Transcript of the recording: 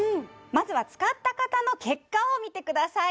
まずは使った方の結果を見てください